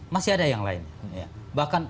masih ada yang lainnya bahkan